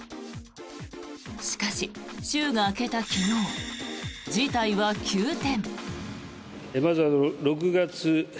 しかし、週が明けた昨日事態は急転。